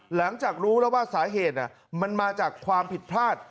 หลังจากรู้แล้วว่าสาเหตุมันมาจากความผิดพลาด